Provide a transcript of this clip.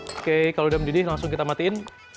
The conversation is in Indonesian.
oke kalau udah mendidih langsung kita matiin